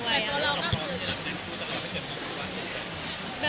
แต่เราไม่เกิดมาทุกวันเลย